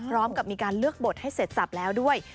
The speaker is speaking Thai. พร้อมกับมีการเลือกบทให้เสร็จสับแล้วด้วย